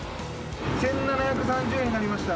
１，７３０円になりました。